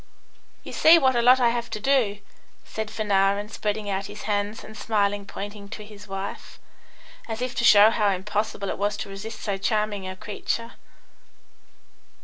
"You see what a lot I have to do," said Fanarin, spreading out his hands and smilingly pointing to his wife, as if to show how impossible it was to resist so charming a creature.